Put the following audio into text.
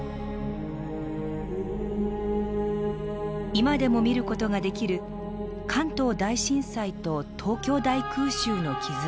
今でも見る事ができる関東大震災と東京大空襲の傷跡。